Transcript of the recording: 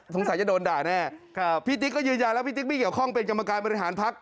จะโดนด่าแน่พี่ติ๊กก็ยืนยันแล้วพี่ติ๊กไม่เกี่ยวข้องเป็นกรรมการบริหารพัก